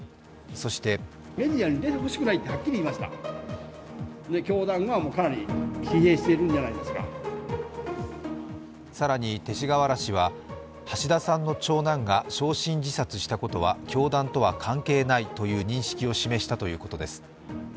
そして更に、勅使河原氏は橋田さんの長男が焼身自殺したことは教団とは関係ないという認識を示したということです。